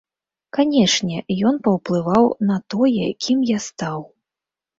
Канечне, ён паўплываў на тое, кім я стаў.